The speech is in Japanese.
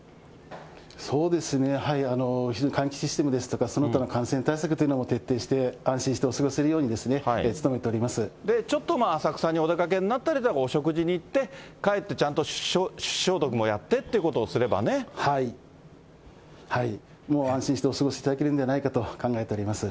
そうですね、非常に換気システムですとか、感染対策というのも徹底して、安心してお過ごしいただけるように、ちょっと浅草にお出かけになったり、お食事に行って、帰って、ちゃんと手指消毒もやってっていもう安心してお過ごしいただけるんじゃないかと考えております。